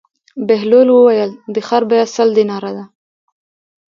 بهلول وویل: د خر بېه سل دیناره ده.